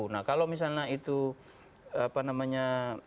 nah kalau misalnya itu apa namanya